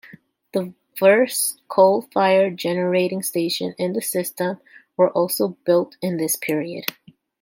The first coal-fired generating stations in the system were also built in this period.